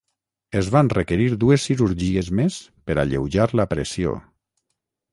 Es van requerir dues cirurgies més per alleujar la pressió.